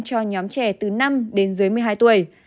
cho nhóm trẻ từ năm đến dưới một mươi hai tuổi